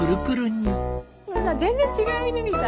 これさ全然違う犬みたい。